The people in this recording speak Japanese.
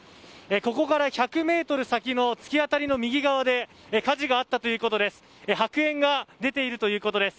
ここから１００ｍ先の突き当たりの右側で火事があったということです。